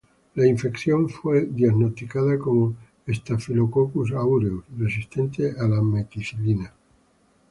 La infección fue diagnosticada como Staphylococcus aureus resistente a la meticilina.